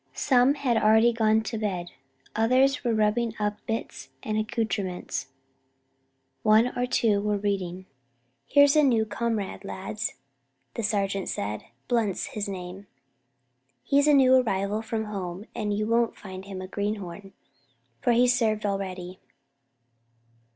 Some had already gone to bed, others were rubbing up bits and accoutrements; one or two were reading. "Here's a new comrade, lads," the sergeant said; "Blunt's his name. He is a new arrival from home, and you won't find him a greenhorn, for he has served already."